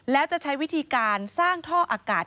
แล้วจะใช้วิธีการสร้างท่ออากาศ